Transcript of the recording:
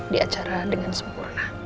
di acara dengan sempurna